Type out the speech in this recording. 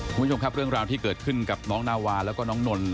คุณผู้ชมครับเรื่องราวที่เกิดขึ้นกับน้องนาวาแล้วก็น้องนนท